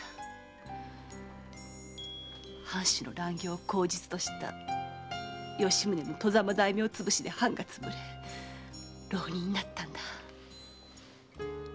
藩主の乱行を口実とした吉宗の外様大名つぶしで藩がつぶれ浪人になったんだ。